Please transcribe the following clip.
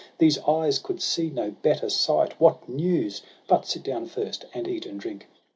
these eyes could see no better sight. What news? but sit down first, and eat and drink.'